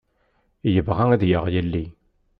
Yebɣa ad yaɣ yelli.